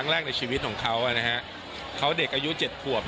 อุ่มมากแล้วเพราะว่าเมื่อสักเดือนครับ